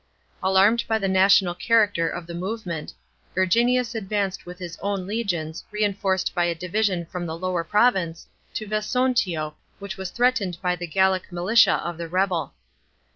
* Alarmed by the national character of the move ment, Verginius advanced with Ids own legions, reinforced by a division from the lower province, to Vesontio, which was threatened by the Gallic militia of the rebel.